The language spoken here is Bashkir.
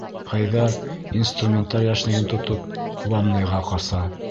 Хәйҙәр инструменттар йәшниген тотоп ванныйға ҡаса.